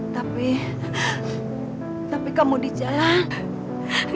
tapi tapi kamu di jalan